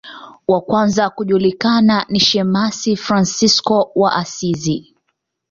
Wa kwanza kujulikana ni shemasi Fransisko wa Asizi.